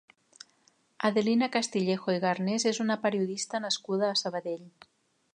Adelina Castillejo i Garnés és una periodista nascuda a Sabadell.